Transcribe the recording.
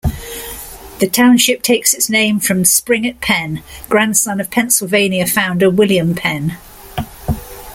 The township takes its name from Springett Penn, grandson of Pennsylvania founder William Penn.